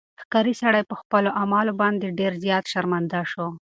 ښکاري سړی په خپلو اعمالو باندې ډېر زیات شرمنده شو.